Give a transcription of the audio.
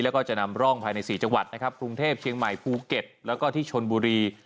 แล้วก็จะนำร่องภายใน๔จังหวัดนะครับกรุงเทพเชียงใหม่ภูเก็ตแล้วก็ที่ชนบุรี